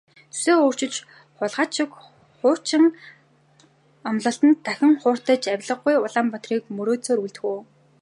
Зүсээ өөрчилсөн хулгайч шиг хуучин амлалтад дахин хууртаж авлигагүй Улаанбаатарыг мөрөөдсөөр үлдэх үү?